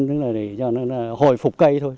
để cho nó hồi phục cây thôi